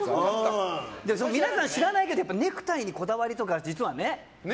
皆さん知らないけどネクタイにこだわりとか、実はね。